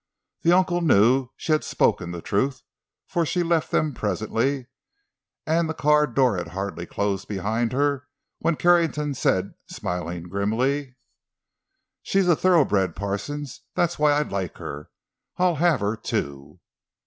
The uncle knew she had spoken the truth, for she left them presently, and the car door had hardly closed behind her when Carrington said, smiling grimly: "She's a thoroughbred, Parsons. That's why I like her. I'll have her, too!"